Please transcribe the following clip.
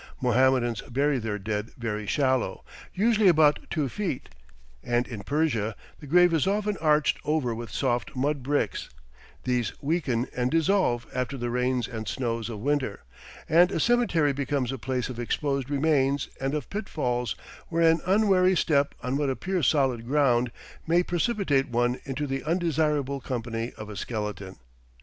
Mohammedans bury their dead very shallow, usually about two feet, and in Persia the grave is often arched over with soft mud bricks; these weaken and dissolve after the rains and snows of winter, and a cemetery becomes a place of exposed remains and of pitfalls, where an unwary step on what appears solid ground may precipitate one into the undesirable company of a skeleton.